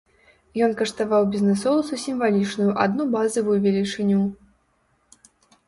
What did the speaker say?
Ён каштаваў бізнэсоўцу сімвалічную адну базавую велічыню.